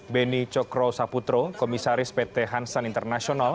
beni cokro saputro komisaris pt hansan internasional